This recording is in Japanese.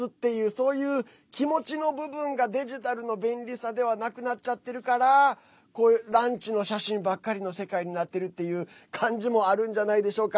そういう気持ちの部分がデジタルの便利さなくなっちゃってるからランチの写真ばっかりの世界になってるっていう感じもあるんじゃないでしょうか。